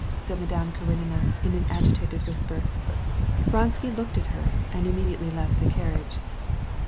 said Madame Karenina in an agitated whisper. Vronsky glanced at her, and immediately got out of the carriage.